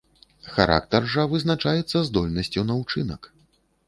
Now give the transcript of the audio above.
Характар жа вызначаецца здольнасцю на ўчынак.